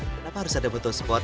kenapa harus ada botol spot